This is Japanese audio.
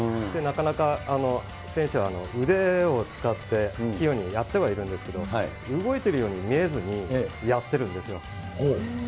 なかなか選手は腕を使って、器用にやってはいるんですけど、動いてるように見えずにやってるんですよ。